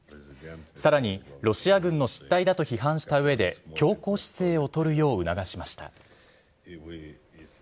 さらにロシア軍の失態だと批判したうえで、強硬姿勢を取るよう促しました。